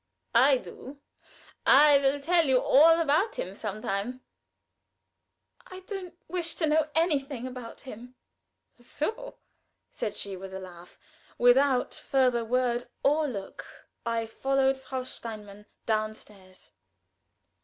"I do. I will tell you all about him some time." "I don't wish to know anything about him." "So!" said she, with a laugh. Without further word or look I followed Frau Steinmann down stairs.